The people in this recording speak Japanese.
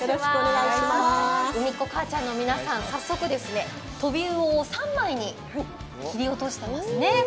うみっこかあちゃんの皆さん、早速、トビウオを３枚に切り落としていますね。